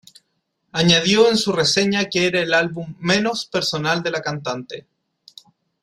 Añadió en su reseña que era el álbum menos personal de la cantante.